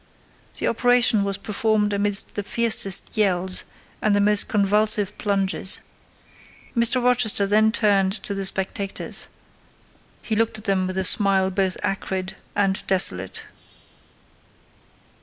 The operation was performed amidst the fiercest yells and the most convulsive plunges. Mr. Rochester then turned to the spectators: he looked at them with a smile both acrid and desolate.